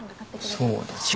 そうですよ。